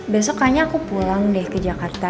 besok kayaknya aku pulang deh ke jakarta